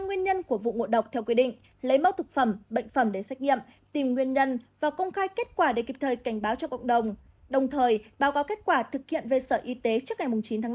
nguyên nhân của vụ ngộ độc theo quy định lấy mẫu thực phẩm bệnh phẩm để xét nghiệm tìm nguyên nhân và công khai kết quả để kịp thời cảnh báo cho cộng đồng đồng thời báo cáo kết quả thực hiện về sở y tế trước ngày chín tháng năm